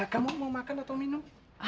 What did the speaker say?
kamu mau makan atau minum